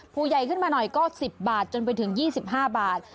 ผู้ใหญ่ขึ้นมาหน่อยก็๑๐บาทจนไปถึง๒๕บาท